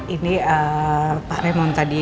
ini pak raymond tadi